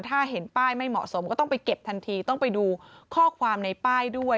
ถ้าเห็นป้ายไม่เหมาะสมก็ต้องไปเก็บทันทีต้องไปดูข้อความในป้ายด้วย